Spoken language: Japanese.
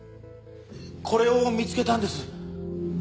これを見つけたんです。